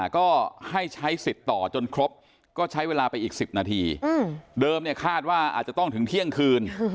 ก็ให้ใช้สิทธิ์ต่อจนครบก็ใช้เวลาไปอีก๑๐นาทีเดิมเนี่ยคาดว่าอาจจะต้องถึงเที่ยงคืน